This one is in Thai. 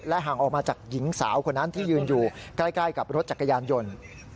ห่างออกมาจากหญิงสาวคนนั้นที่ยืนอยู่ใกล้กับรถจักรยานยนต์